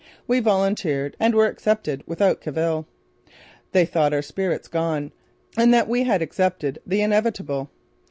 We volunteered and were accepted without cavil. They thought our spirit gone and that we had accepted the inevitable.